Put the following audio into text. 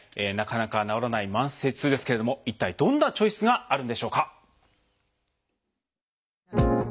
なかなか治らない慢性痛ですけれども一体どんなチョイスがあるんでしょうか。